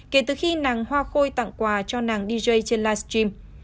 kể từ khi nàng hoa côi tặng quà cho nàng dj trên live stream